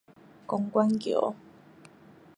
公舘橋